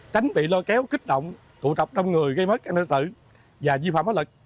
tránh bị lôi kéo kích động tụ tập đông người gây mất các nơi tử và di phạm bất lực